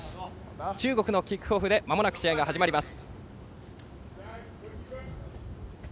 中国のキックオフで試合が始まります。